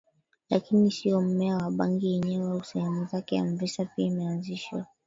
lakini sio mmea wa bangi yenyewe au sehemu zake Anvisa pia imeanzisha